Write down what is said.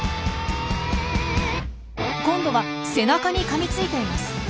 今度は背中にかみついています。